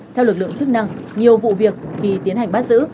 theo lực lượng chức năng nhiều vụ việc khi tiến hành bắt giữ